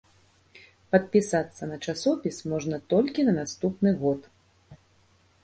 Падпісацца на часопіс можна толькі на наступны год.